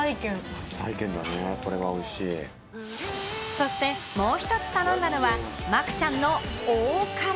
そしてもう１つ頼んだのは、マクチャンの大辛。